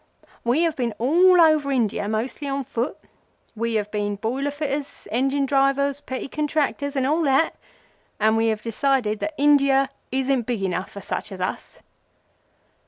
We have been all over India, mostly on foot. We have been boiler fitters, engine drivers, petty contractors, and all that, and we have decided that India isn't big enough for such as us."